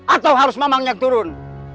atau harus memang yang turun